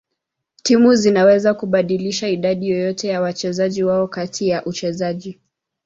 Timu zinaweza kubadilisha idadi yoyote ya wachezaji wao kati ya uchezaji.